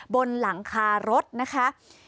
บนหลังคารถนะคะ